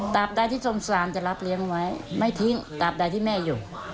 ใดที่สงสารจะรับเลี้ยงไว้ไม่ทิ้งตามใดที่แม่อยู่